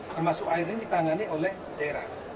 termasuk air ini ditangani oleh daerah